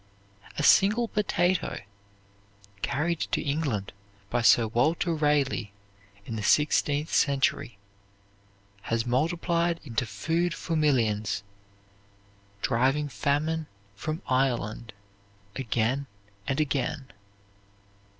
A single potato, carried to England by Sir Walter Raleigh in the sixteenth century, has multiplied into food for millions, driving famine from Ireland again and again.